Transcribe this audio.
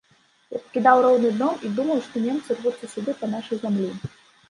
Я пакідаў родны дом і думаў, што немцы рвуцца сюды па нашай зямлі.